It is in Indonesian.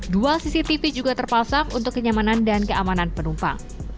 dua cctv juga terpasang untuk kenyamanan dan keamanan penumpang